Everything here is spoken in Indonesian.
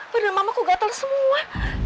bener mamah aku gatel semua